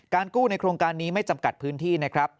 กู้ในโครงการนี้ไม่จำกัดพื้นที่นะครับ